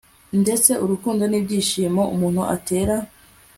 ndetse urukundo n'ibyishimo umuntu atera